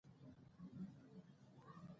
عطایي د پښتو ژبې مینهوال و.